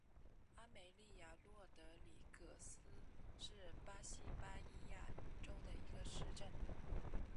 阿梅利娅罗德里格斯是巴西巴伊亚州的一个市镇。